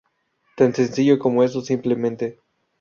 Tan sencillo como eso, simplemente.